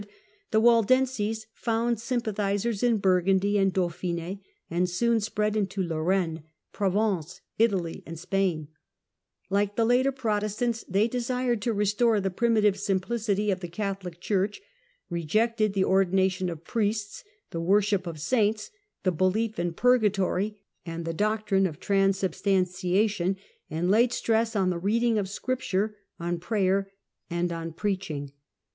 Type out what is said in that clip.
the Waldenses found sympathizers in Burgundy and Dauphine, and soon spread into Lorraine, Provence, Italy and Spain, Like the later Protestants they desired to restore the primitive simplicity of the Catholic Church, rejected the ordination of priests, the worship of saints, the belief in purgatory and the doctrine of transubstantiation, and laid stress on the reading of Scripture, on prayer and on preaching.